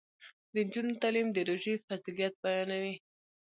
د نجونو تعلیم د روژې فضیلت بیانوي.